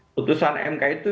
putusan mk itu